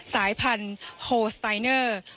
สายพันธุ์โฮสไตเนอร์